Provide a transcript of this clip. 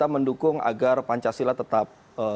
mendukung agar pancasila tetap